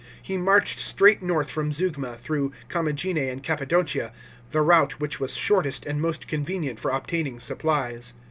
He marched straight north from Zeugma, through Commagene and Cappadocia — the route which was shortest and most convenient for obtaining supplies.